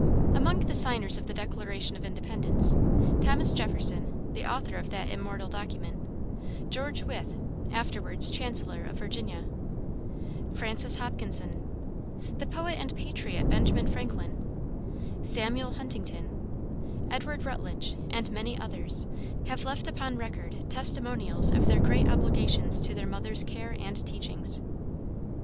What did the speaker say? Among the signers of the Declaration of Independence, Thomas Jefferson, the author of that immortal document; George Wythe, afterwards Chancellor of Virginia; Francis Hopkinson, the poet and patriot Benjamin Franklin, Samuel Huntington, Edward Rutledge, and many others, have left upon record testimonials of their great obligations to their mother's care and teachings.